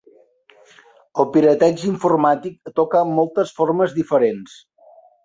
El pirateig informàtic toca moltes formes diferents.